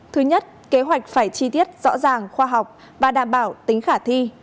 thứ nhất kế hoạch phải chi tiết rõ ràng khoa học và đảm bảo tính khả thi